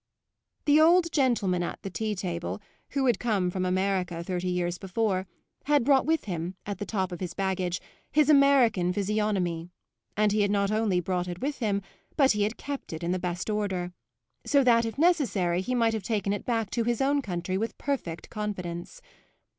The old gentleman at the tea table, who had come from America thirty years before, had brought with him, at the top of his baggage, his American physiognomy; and he had not only brought it with him, but he had kept it in the best order, so that, if necessary, he might have taken it back to his own country with perfect confidence.